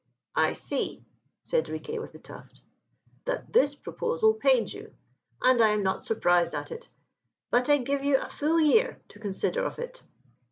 "I see," said Riquet with the Tuft, "that this proposal pains you; and I am not surprised at it; but I give you a full year to consider of it."